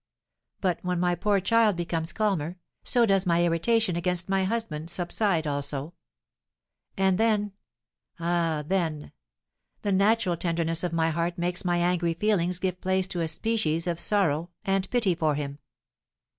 But, when my poor child becomes calmer, so does my irritation against my husband subside also; and then ah, then the natural tenderness of my heart makes my angry feelings give place to a species of sorrow and pity for him.